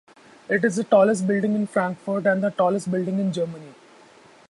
It is the tallest building in Frankfurt and the tallest building in Germany.